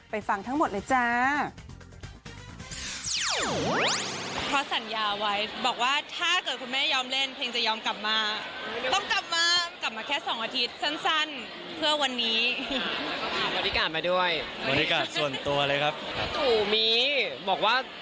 ฟังทั้งหมดเลยจ้า